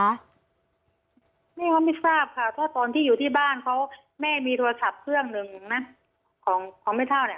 แม่เขาไม่ทราบค่ะเพราะตอนที่อยู่ที่บ้านเขาแม่มีโทรศัพท์เครื่องหนึ่งนะของของแม่เท่าเนี่ย